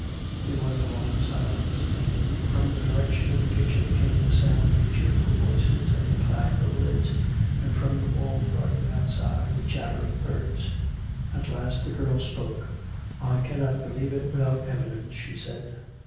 " There was a long silence. From the direction of the kitchen came the sound of cheerful voices, and the clatter of lids, and from the walled garden outside the chatter of birds. ... At last the girl spoke. " I cannot believe it without evidence," she said.